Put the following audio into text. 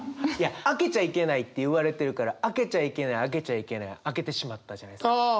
開けちゃいけないって言われてるから開けちゃいけない開けちゃいけない開けてしまったじゃないですか。